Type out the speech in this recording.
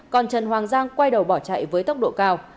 còn trần hoàng giang quay đầu bỏ chạy với tốc độ cao